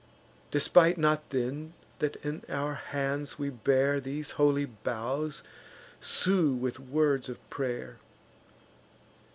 Despite not then, that in our hands we bear These holy boughs, and sue with words of pray'r.